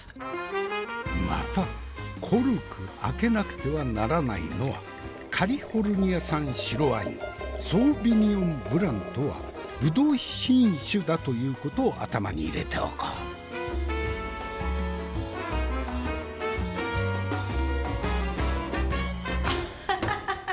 またコルク開けなくてはならないのはカリフォルニア産白ワインソーヴィニヨン・ブランとはぶどう品種だということを頭に入れておこう。